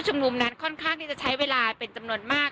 นุมนั้นค่อนข้างที่จะใช้เวลาเป็นจำนวนมาก